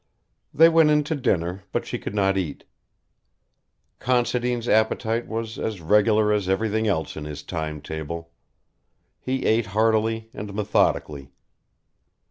They went in to dinner, but she could not eat. Considine's appetite was as regular as everything else in his time table. He ate heartily and methodically.